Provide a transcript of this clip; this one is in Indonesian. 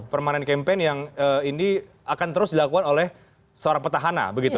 permanent campaign yang ini akan terus dilakukan oleh seorang petahana begitu